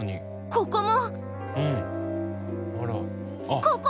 ここも！